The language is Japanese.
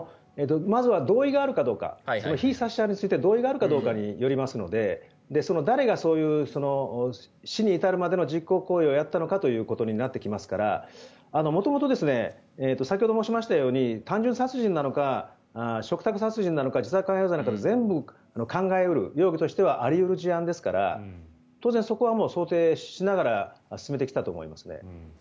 まずは同意があるかどうか誰がそういう死に至るまでの実行行為をやったのかということになってきますから元々、先ほど申しましたように単純殺人なのか嘱託殺人なのか自殺関与罪なのか全部、考えられる容疑としてはあり得る事案ですから当然そこは想定しながら進めてきたと思いますね。